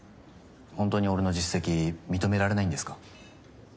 本当に俺の実績認められないんですか？